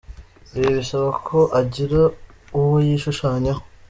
Ibi bisaba ko agira uwo yishushanyaho.